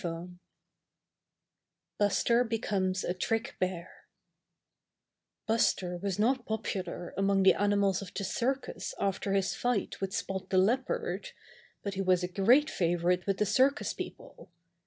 STORY X Buster Becomes a Trick Bear Buster was not popular among the animals of the circus after his fight with Spot the Leopard, but he was a great favorite with the circus people.